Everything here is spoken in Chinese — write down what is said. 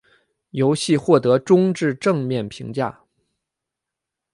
游戏获得中至正面评价。